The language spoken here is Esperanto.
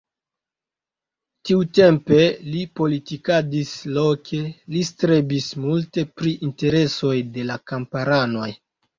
Tiutempe li politikadis loke, li strebis multe pri interesoj de la kamparanoj.